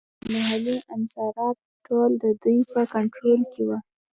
محلي انحصارات ټول د دوی په کنټرول کې وو.